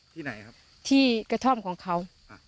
ที่ไหนครับที่กระท่อมของเขา